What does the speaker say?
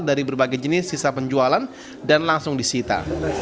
dari berbagai jenis sisa penjualan dan langsung disita